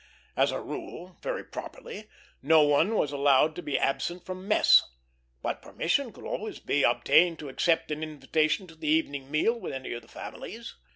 As a rule, very properly, no one was allowed to be absent from mess; but permission could always be obtained to accept an invitation to the evening meal with any of the families.